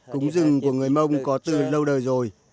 cúng rừng của người mông có từ lâu đời rồi